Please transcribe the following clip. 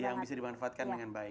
yang bisa dimanfaatkan dengan baik